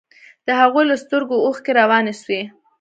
د هغوى له سترګو اوښكې روانې سوې.